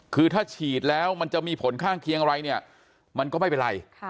คือถ้าฉีดแล้วมันจะมีผลข้างเคียงอะไรเนี่ยมันก็ไม่เป็นไร